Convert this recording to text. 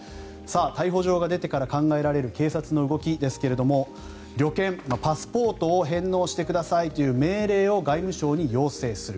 逮捕状が出てから考えられる警察の動きですが旅券、パスポートを返納してくださいという命令を外務省に要請する。